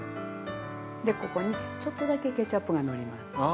でここにちょっとだけケチャップがのります。